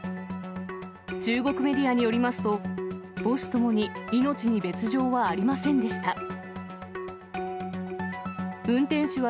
中国メディアによりますと、母子ともに命に別状はありませんでした。